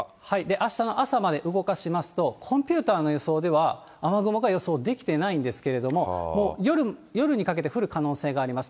あしたの朝まで動かしますと、コンピューターの予想では、雨雲が予想できていないんですけれど、もう夜にかけて降る可能性があります。